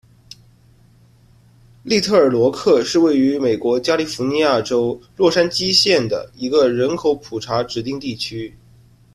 利特尔罗克是位于美国加利福尼亚州洛杉矶县的一个人口普查指定地区。